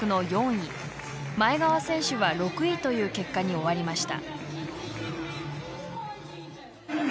前川選手は６位という結果に終わりました。